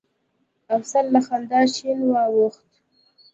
افسر له خندا شين واوښت.